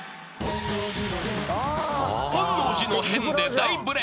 ［『本能寺の変』で大ブレーク］